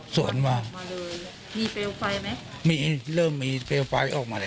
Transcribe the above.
ส่วนนางสุธินนะครับบอกว่าไม่เคยคาดคิดมาก่อนว่าบ้านเนี่ยจะมาถูกภารกิจนะครับ